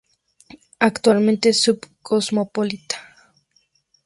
Actualmente sub-cosmopolita.